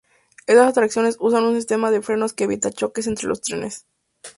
Esas atracciones usan un sistema de frenos que evita choques entre los trenes.